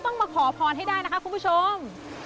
ต้องมาคออภรณ์ให้ได้คุณผู้ชม